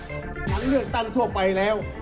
หลังเลือกตั้งทั่วไปแล้ว